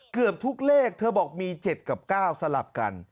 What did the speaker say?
เกือบทุกเลขเธอบอกมี๗กับ๙สลับกัน